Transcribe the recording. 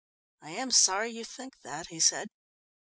"I am sorry you think that," he said.